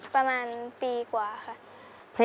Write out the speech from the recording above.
ประมาณปีกว่าค่ะ